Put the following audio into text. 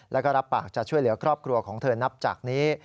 แล้วก็รับปากจะช่วยเหลือครอบครัวของเธอนับจากนี้